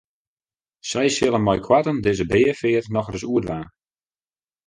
Sy sille meikoarten dizze beafeart nochris oerdwaan.